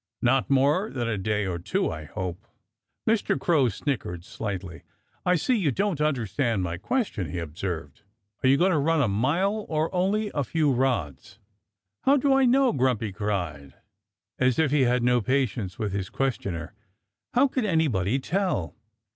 "Not more than a day or two, I hope!" Mr. Crow snickered slightly. "I see you don't understand my question," he observed. "Are you going to run a mile, or only a few rods?" "How do I know?" Grumpy cried, as if he had no patience with his questioner. "How could anybody tell?